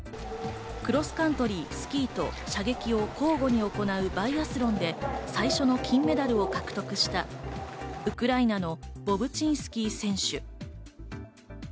クロスカントリー、スキーと射撃を交互に行うバイアスロンで最初の金メダルを獲得したウクライナのボブチンスキー選手。